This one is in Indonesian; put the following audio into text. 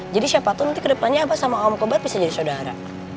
jadi siapa tau nanti kedepannya abah sama om komar bisa jadi saudara